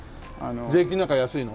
税金なんか安いの？